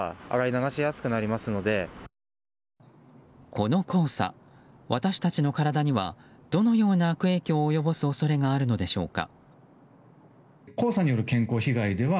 この黄砂私たちの体にはどのような悪影響を及ぼす恐れがあるのでしょうか。